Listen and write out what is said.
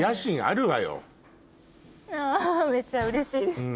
あめっちゃうれしいです。